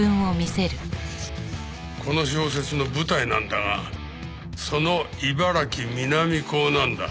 この小説の舞台なんだがその茨城南港なんだ。